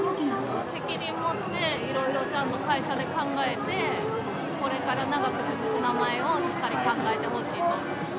責任持っていろいろちゃんと会社で考えて、これから長く続く名前をしっかり考えてほしいなって。